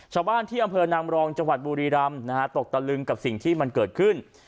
ชาวบ้านที่อำเภอนางรองจังหวัดบุรีรำนะฮะตกตะลึงกับสิ่งที่มันเกิดขึ้น